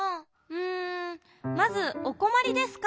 うんまず「おこまりですか？」